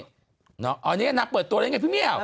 อันนี้เอนนักเปิดตัวแรงไงพี่เมียว